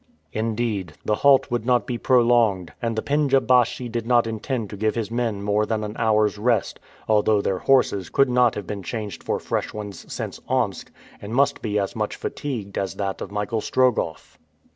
Indeed, the halt would not be prolonged, and the pendja baschi did not intend to give his men more than an hour's rest, although their horses could not have been changed for fresh ones since Omsk, and must be as much fatigued as that of Michael Strogoff.